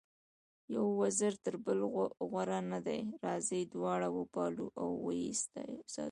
یو وزر تر بل غوره نه دی، راځئ دواړه وپالو او ویې ساتو.